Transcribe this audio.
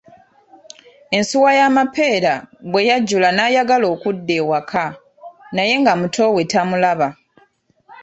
Ensuwa ya Mpeera bwe yajjula n'ayagala okudda ewaka, naye nga muto we tamulaba.